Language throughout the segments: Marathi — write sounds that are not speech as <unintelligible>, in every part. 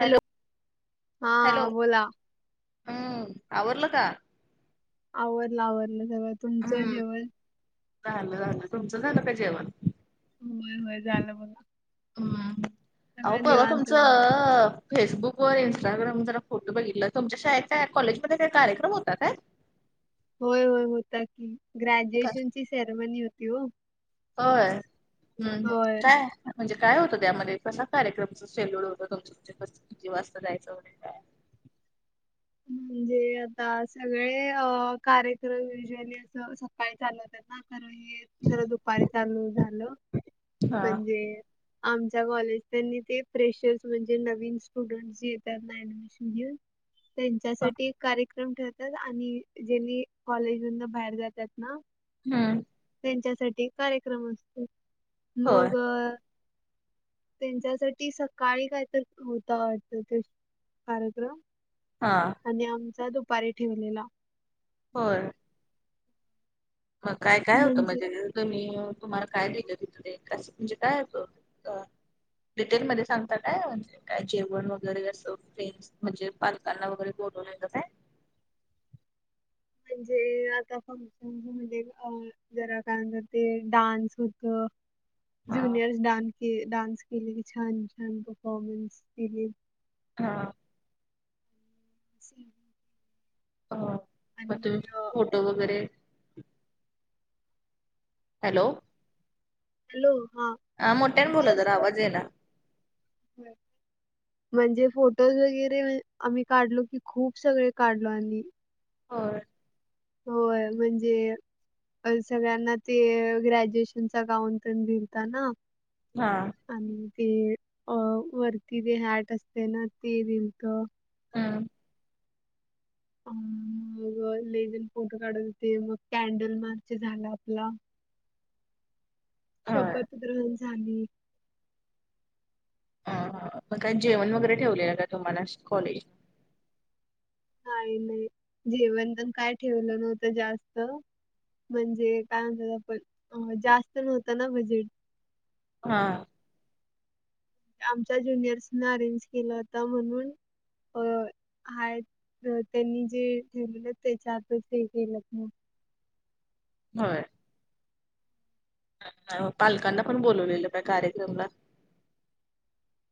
हॅलो! हा हॅलो! बोला आवरल का? आवरलं आवरलं सगळ. हम्म झालं. झालं. तुमचं झालं काय जेवण? होय होय झालं बघा. हम्म अहो सगळं परवा निवांत तुमचं बघा. अ फेसबुक वर इंस्टाग्राम जरा फोटो बघितला. तुमच्या शाळेत का कॉलेजमध्ये काय कार्यक्रम होता काय? होय -होय होता की. का- ग्रॅज्युएशन ची सेरमनी होती हो. होय! हम्म ह्. होय काय? म्हणजे काय होतं त्यामध्ये कसा कार्यक्रमच शेड्युल होतं? तुम <unintelligible> किती वाजता जायचं वगैरे काय? म्हणजे आता सगळे अं कार्यक्रम युजुअली असं अं सकाळी चालत <unintelligible> जर दुपारी चालू झालं हा म्हणजे आमच्या कॉलेज <unintelligible> ते फ्रेशर्स म्हणजे नवीन स्टुडंट्स येतात ना, ऍडमिशन घेऊन हा त्यांच्यासाठी एक कार्यक्रम ठेवतात आणि जे नी कॉलेजमधन बाहेर जातात ना हम्म. त्यांच्यासाठी कार्यक्रम असतो, मग हं त्यांच्यासाठी सकाळी काय तर होता वाटतं, ते कार्यक्रम. हा. आणि आमचा दुपारी ठेवलेला. होय. मग काय काय होतं? म्हणजे <unintelligible> तुम्ही तुम्हाला काय दिलं गिफ्ट? <unintelligible> म्हणजे काय डिटेलमध्ये सांगता काय म्हणजे काय जेवण वगैरे असं म्हणजे पालकांना वगैरे बोलवलेल काय? म्हणजे आता फंक्शन म्हणजे अ जरा काय म्ह ते डान्स होत हा ज्युनिअर्स डान्स के डान्स केलेली, छान छान परफॉर्मन्स केली हा. स अं मग तुम्ही फोटो वगैरे हॅलो. हॅलो, हा. अं मोठ्याने बोला फोटोज जरा, आवाज येईना. <unintelligible> म्हणजे फोटोज वगैरे आम्ही काढलो की, खूप सगळे काढलो आम्ही होय. होय, म्हणजे सगळ्यांना ते ग्रॅज्युएशनचा गाऊन पण दिलता ना. हा. आणि ते अं वरती जे हॅट असते ना, ते दिलंत. हं. <unintelligible> मग लई जण फोटो काढत होेते, मग कॅन्डल मार्च झाला आपला. होय. शपथ ग्रहण झाली. ह हा मग काय जेवण वगैरे ठेवलेलं का तुम्हाला? असं कॉलेज काय नाही, जेवण ते न काय ठेवलं नव्हतं जास्त. म्हणजे काय म्हणतात पण जास्त नव्हतं ना बजेट. हा. आमच्या ज्युनियर्सन अरेंज केला होता, म्हणून हो, आहेत. त्यांनी जे ठेवलेलं त्याच्या आतच <unintelligible> होय. पालकांना पण बोलवलेलं का कार्यक्रमला?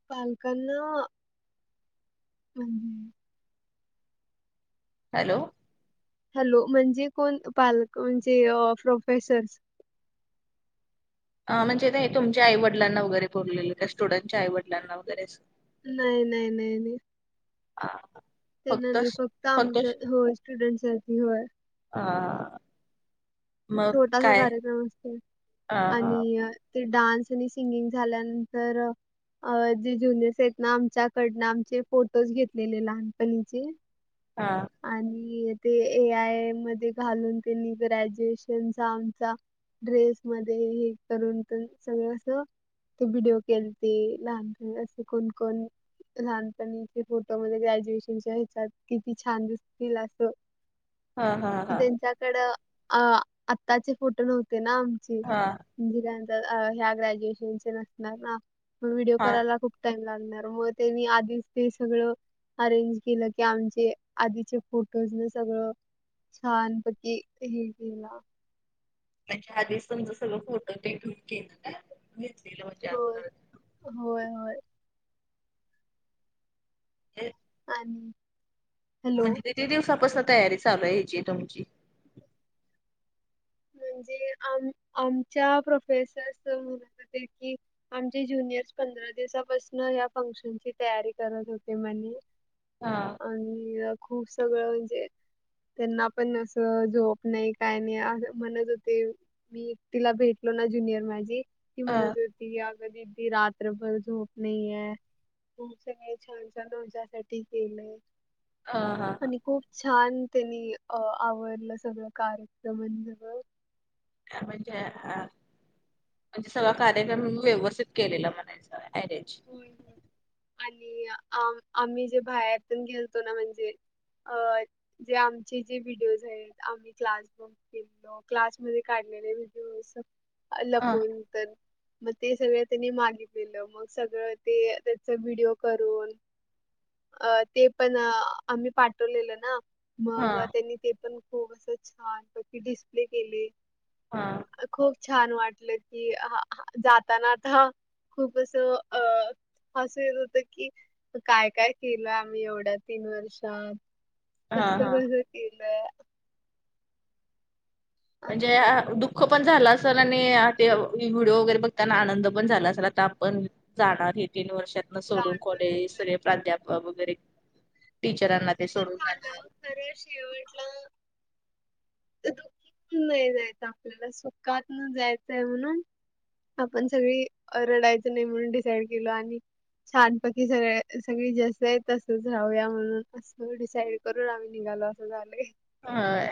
पालकांना <unintelligible> हॅलो. हॅलो म्हणजे कोण? पालक म्हणजे अं प्रो्पेसर्स. अं म्हणजे काय तुमच्या आई-वडलांना वगैरे बोलेलं, काय स्टुडंट्सच्या आई-वडलांना वगैरे नाई-नाई-नाई-नाई. <inaudible> त्यांना नाही फक्त आमच्या होय, स्टुडंट्ससाठी होय. ओ. छोटासा कार्यक्रम असतो हा हा आणि ते डान्स आणि सिंगिंग झाल्यानंतर अं जे ज्युनियर्स हेत ना आमच्याकडनं आमचे फोटोज घेतलेले लहानपणीचे. हा. आणि ते ए आय मध्ये घालून ते <unintelligible> त्यांचा, आमचा ड्रेस मध्ये हे करून पण सगळं अस. ते व्हिडिओ केलते लहानपणी असे कोण-कोण. लहानपणीचे फोटोमध्ये ग्रॅज्युएशनच्या ह्याच्यात किती छान दिसतील असं. ह. कि त्यांच्याकडं आ- आताचे फोटो नव्हते ना, आमचे. हा निदान तर ह्या ग्रॅज्युएशन नसणार ना मं विडिओ हा करायला खूप टाईम लागणार, हो, त्यांनी आधीच ते सगळं अरेंज केलं, की आमचे आधीचे फोटोज नं सगळं. छान पैकी हे केला. त्याच्या आधीच त्यांच सगळं फोटो ते घेऊन घेतलं, घेतलेलं होतं अगोदर. होय-होय. ए. आणि हॅलो. म्हणजे किती दिवसापासनं तयारी चालू हाय ह्याची तुमची म्हणजे आम- आमच्या प्रोफेसर सर म्हणत होते की आमचे ज्युनियर्स पंधरा दिवसापासणं या फंक्शन ची तयारी करत होते म्हणे. हं. आणि खूप सगळं म्हणजे त्यांना पण असं झोप नाही, काय नाही असं. म्हणत होते मी तिला भेटलो ना, ज्युनियर माझी ती हा म्हणत हो <unintelligible> रात्रभर झोप नई हे. तुमचे <unintelligible> छान- छान तुमच्यासाठी केलं. अं हं. आणि खूप छान त्यांनी अं आवरलं सगळं कार्यक्रम अं म्हणजे आ म्हणजे सगळा कार्यक्रम व्यवस्थित केलेला म्हणायचं अरेंज. होय होय. आणि आ- आम्ही जे बाहेरतून घेलतो ना म्हणजे अं जे आमचे जे व्हिडिओज आहेत आम्ही क्लास केलतो, क्लासमध्ये काढलेले व्हिडिओज हा लपवून तर, मग ते सगळं त्यांनी मागितलेलं मग सगळं ते त्याचं व्हिडिओ करून अं ते पण आम्ही पाठवलेलं ना हा मग त्यांनी ते पण खूप असं छान पैकी डिस्प्ले केले. हां... खूप छान वाटलं की, हा हा जाताना आता खूप असं अ हासिर्र होतं की काय काय केलं आम्ही एवढ्या तीन वर्ष? हा कस्स हा कसं केलंय? असं म्हणजे अंआ दुः खुपच झालं असेल आणि ते व्हिडिओ वगरे बघताना आनंद पण झाला असेल आता आपण जाणार हे तीन वर्षात सोडुन जाणार कॉलेज, होय सगळे प्राध्यापक वगरे, टीचरांना ते सोडून जाणार सगळ्यात शेवटला न्नई जायचं आपल्याला, सुक्कातनं जायचंय म्हणून आपण सगळी रडायचं नाही म्हणून डिसाईड केलो आणि छानपैकी सगळे सगळी जसं आहे तसच राहूया म्हणून सगळं डिसाईड करून आम्ही निघालोय असं झालंय. हह होय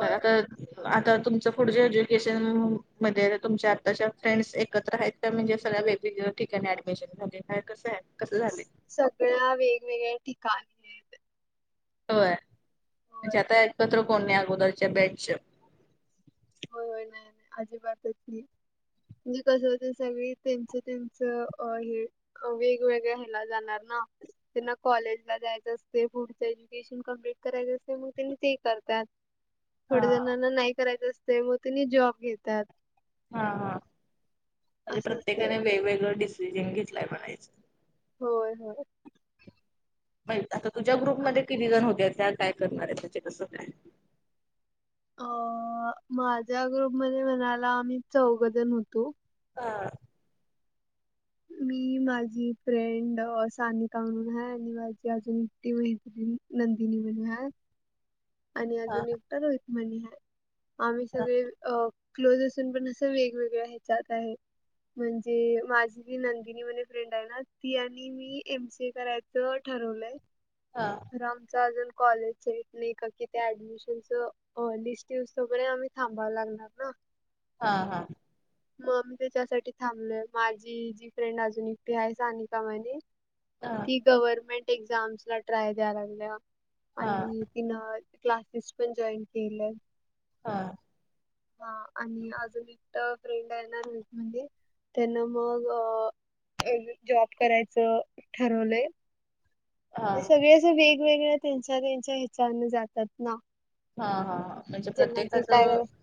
मला तर आता तुमचं पुढचं एज्युकेशन म्हंजे तुमच्या आत्ताच्या फ्रेंड्स एकत्र हैत. त्या म्हणजे सगळ्या वेकतीवेगती ठिकाणी ऍडमिशन झालेय, कसंय कसं झाले सगळ्या वेगवेगळ्या ठिकाण होय होय. म्हणजे आता एकत्र कोण नाही अगोदरच्या बॅच च हो होय ना आजी बातय की मी कसं होतं सगळे त्यांच त्यांचं अहे ह वेगवेगळ्या ह्यांना जाणार ना? त्यांना कॉलेजला जायचं असते पुढचे एज्युकेशन कम्पलीट करायचं असते मग त्यांनी ते करतात. हा थोडे जणांना नाही करायचं असते मग त्यांनी जॉब घेतात. हा हा, म्हणजे असं असते प्रत्येकाने वेगवेगळं डिसिजन घेतलाय म्हणायचं. होय होय... वैत आता तुझ्या ग्रुपमध्ये किती जण होते त्यात काय करणार आहे त्याचे कसं काय अ माझ्या ग्रुपमध्ये म्हणायला आम्ही चौघं जण होतो. आअ मी, माझी फ्रेंडं सानिका म्हणून हाय आनि माझी अजून <unintelligible> नंदिनी म्हणूया आणि हा अजून एकटा रोहित म्हनला, आम्ही हा सगळे अ क्लोज असून पण असं वेगवेगळ्या ह्याच्यात आहे. म्हणजे माझीी नंदिनी वानी फ्रेंड आहे ना, ती आनी मी एम. सी. ए. करायचं ठरवलंय. हा. रॉंगचा अजून कॉलेजच्या हित नाही कनकि त्या ऍडमिशनचं अं लिस्ट येऊस्तोपर्यंत आम्ही थांबावं लागणार ना? हा हा.... मग मी त्यासाठी थांबलोय, माझी जी फ्रेंड अजून एकटी आहे सानिका मने हा ती गव्हर्मेंट एक्झाम्सला ट्राय द्याय लागल्या हा हा आणि तिनं क्लासेस पण जॉईन केलंय. हा हा, आणि अजून एकटं फ्रेंड आहे ना ग्रुपमंधे त्यांना मग एरवी जॉब करायचं ठरवलंय हा ते सगळे ज वेगवेगळ्या त्यांच्या त्यांच्या हिच्याने जातात ना. हा हा म्हणजे ज्यांना जे काय प्रत्येकाचं. करायचं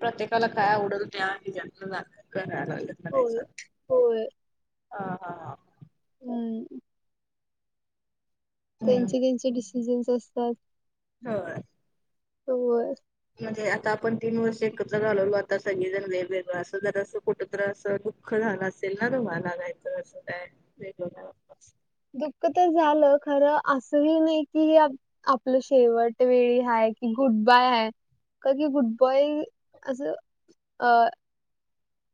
प्रत्येकाला काय आवडल त्या जन् करायला लागलं म्हणायच. होय होय ह हा हा. हम. हम्म. त्यांचे त्यांचे डिसिजन्स असतात. हो. हो.. म्हणजे आता आपण तीन वर्ष एकत्र झालो आता सगळेजण वेगवेगळं असं जरा अस फोट. अस दुःख झालं असेल ना त मला नाही तर अस काय वेग. दुःख तर झालं खरं असंही नाही कि. आपलं शेवट वेळी ह की गुड बाय ह. कधी गुडबॉय असं अ.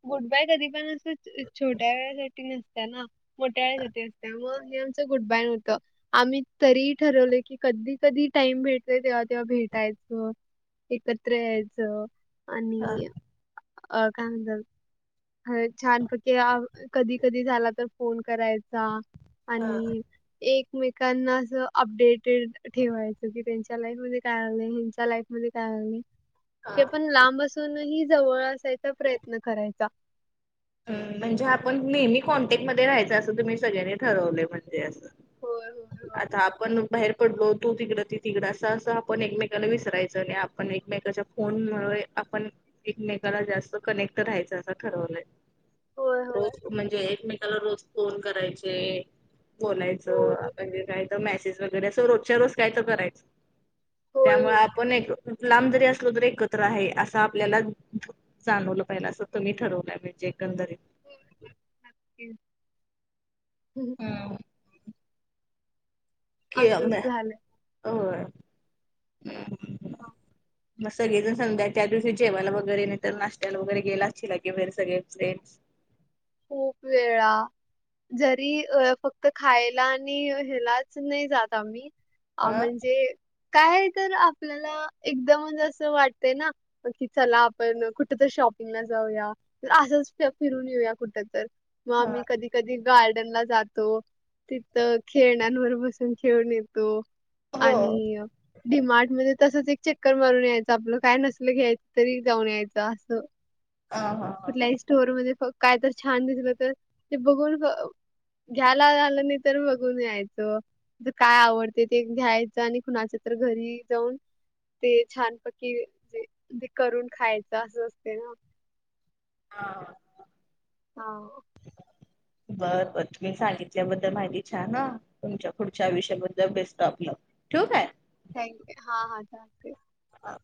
गुटबाय कधी पण असं छोट्या वेळासाठी नसत्या ना मोठ्या वेळासाठी असत्या मग हे. गुड बाय नवतं. आम्ही तरी ठरवले की कधी कधी टाइम भेटले तेव्हा तेव्हा भेटायचं. एकत्र यायचं हा आणि अ काय म्हणत. अ छानपक्की कधी कधी झाला तर फोन करायचा. हा आणि एकमेकांना अस अपडेटेड. ठेवायचं की त्यांच्या लाईफ मध्ये काय आलं हिंच्या लाईफ मध्ये काय आ नाही. हा. ते पण लांब असूनही जवळ असायचा प्रयत्न करायचा. म्हणजे आपण नेहमी कॉन्टॅक्ट मध्ये राहायचं असं तुम्ही सगळ्यांनी ठरवले म्हणजे असं. होय होय होय आता आपण बाहेर. पडलो तू तिकडं ती तिकडं असं असं आपण एकमेकाला विसरायचं आणि आपण एकमेकाच्या फोन मुळे आपण. एकमेकाला जास्त कनेक्ट राहायचं असं ठरवलंय. होय होय रोज म्हणजे एकमेकाला रोज फोन करायचे. बोलायचं हो आपण जे काय तर मेसेज वगैरे असं रोजच्या रोज काय तर करायचं. होय त्यामुळे होय आपण एक लांब जरी असलो तरी एकत्र आहे असं आपल्याला. जाणवलं पहिलं असं तुम्ही ठरवलंय म्हणजे एकंदरी. हम. हम. हे असंच होतंय. झालंय ह <inaudible> मग सगळे जण सधा त्या दिवशी जेवायला वगैरे नाही तर नाशत्याला वगैरे गेला चिला केर सगळे फ्रेंड्स. खूप वेळा. जरी अ फक्त खायला आणि ह्यालाच नाही जात आम्ही. अ हा म्हणजे काय तर आपल्याला एकदम असं वाटतय ना. की चला आपण कुठ तर शॉपिंगला जाऊया असंच फिरून येऊया. कुठ तर, मग हा आम्ही कधी कधी गार्डन ला जातो. तिथं खेळण्यावर बसून खेळून येतो. हो आणि डिमार्ट मध्ये तसच एक चक्कर मारून यायचं आपलं काय नसलं घ्यायच तरी जाऊन यायचं असं. अ हा. हा. कुठल्याही स्टोर मध्ये काय तर छान दिसलं तर ते बघून घ्यायला आलं नाही तर बघून यायचो. काय आवडते, ते घ्यायचं आणि कुणाच्या तर, घरी जाऊन ते छानपैकी, जे ते करून खायच, असं असते ना. हा. हा. बर बर, तुम्ही सांगितल्याबद्दल, माहिती छान हं. तुमच्या पुढच्या आयुष्याबद्दल, बेस्ट ऑफ लक. ठेऊ काय? थँक्, हा हा चालतय. हा.